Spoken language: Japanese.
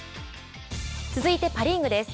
続いてパ・リーグです。